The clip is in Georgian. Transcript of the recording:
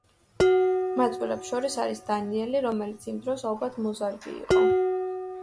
ყმაწვილებს შორის არის დანიელი, რომელიც იმ დროს ალბათ მოზარდი იყო.